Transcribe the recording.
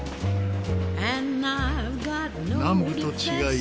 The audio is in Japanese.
南部と違い